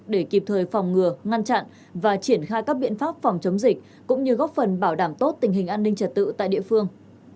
để kịp thời phòng ngừa ngăn chặn và triển khai các biện pháp phòng chống dịch cũng như góp phần bảo đảm tốt tình hình an ninh trật tự tại địa phương